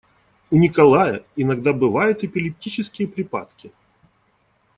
У Николая иногда бывают эпилептические припадки